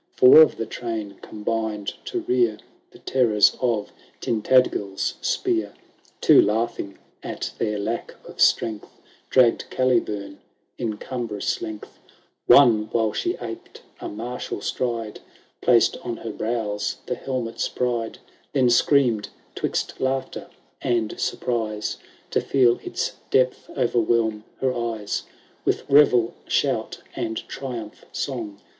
Four of the train combined to rear The terrors of Tintadgel^ spear ;' Two, laughing at their lack of strength, DiaggM Calibum in cumbrous lengUi ; One, while she aped a martial stride, Placed on her brows the helmet*s pride ; Then screamed, 'twixt laughter and surprise. To feel its depth overwhelm her eyes. With revel shout, and triumph song.